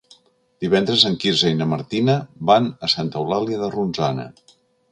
Divendres en Quirze i na Martina van a Santa Eulàlia de Ronçana.